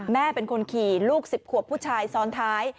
แม่เป็นคนขี่ลูก๑๐ขวบผู้ชายซ้อนท้าย